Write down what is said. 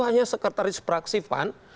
hanya sekretaris praksivan